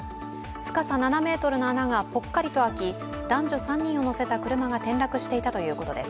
深さ７ｍの穴がぽっかりとあき男女３人を乗せた車が転落していたということです。